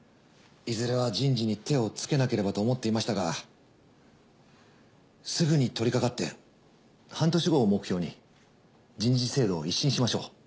いずれは人事に手をつけなければと思っていましたがすぐに取りかかって半年後を目標に人事制度を一新しましょう。